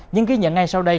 những ghi nhận ngay sau đây